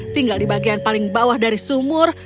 tinggal di bagian paling bawah dari sumur